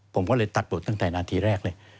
ผมก็เลยตัดบทตั้งแต่นาทีแรกเลย